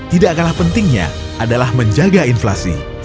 tidak kalah pentingnya adalah menjaga inflasi